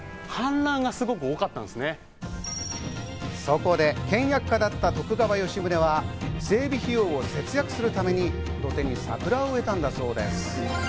そこで倹約家だった徳川吉宗は整備費用を節約するために土手に桜を植えたんだそうです。